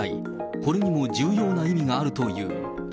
これにも重要な意味があるという。